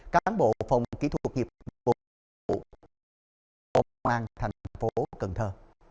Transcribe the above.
cán bộ phòng kỹ thuật nghiệp vụ công an thành phố cần thơ